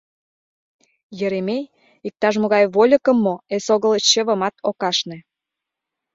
Еремей иктаж-могай вольыкым мо, эсогыл чывымат ок ашне.